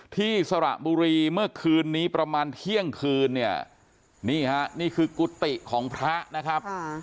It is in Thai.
สระบุรีเมื่อคืนนี้ประมาณเที่ยงคืนเนี่ยนี่ฮะนี่คือกุฏิของพระนะครับ